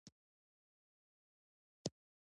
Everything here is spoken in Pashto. چین د سیلک لارې له لارې سوداګري پرمختللې وه.